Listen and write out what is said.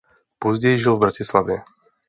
Později žil v Bratislavě.